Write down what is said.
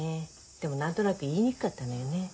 でも何となく言いにくかったのよね。